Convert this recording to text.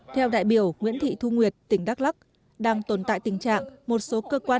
theo đại biểu nguyễn thị thu nguyệt tỉnh đắk lắc đang tồn tại tình trạng một số cơ quan